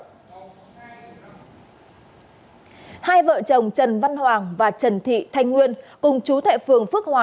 hai vợ chồng trần văn hoàng và trần thị thanh nguyên cùng chú thệ phường phước hòa